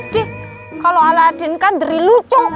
di kalau aladin kan dari lucu